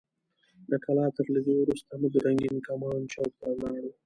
د کلا تر لیدو وروسته موږ رنګین کمان چوک ته لاړو.